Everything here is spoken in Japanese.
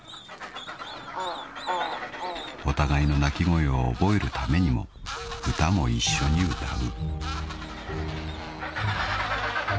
［お互いの鳴き声を覚えるためにも歌も一緒に歌う］